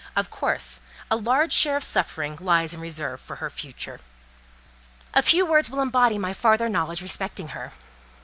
Of course, a large share of suffering lies in reserve for her future. A few words will embody my farther knowledge respecting her.